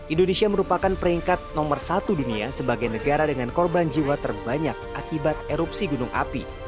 indonesia merupakan peringkat nomor satu dunia sebagai negara dengan korban jiwa terbanyak akibat erupsi gunung api